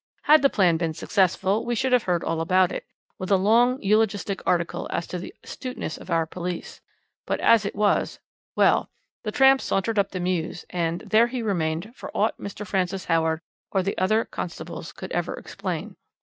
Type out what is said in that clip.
"Had the plan been successful, we should have heard all about it, with a long eulogistic article as to the astuteness of our police; but as it was well, the tramp sauntered up the mews and there he remained for aught Mr. Francis Howard or the other constables could ever explain.